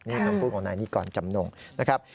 นี่คำพูดของนายนิกรจำนงนะครับ